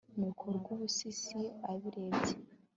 Nuko Rwubusisi abirebye